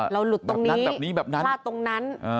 เราหลุดตรงนี้พลาดตรงนั้น